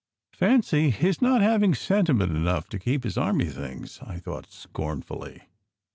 "Fancy his not having sentiment enough to keep his army things!" I thought scornfully.